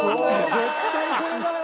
絶対これだよ。